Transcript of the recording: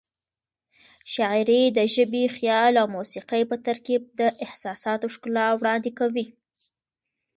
شاعري د ژبې، خیال او موسيقۍ په ترکیب د احساساتو ښکلا وړاندې کوي.